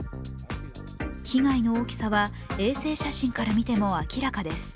被害の大きさは衛星写真から見ても明らかです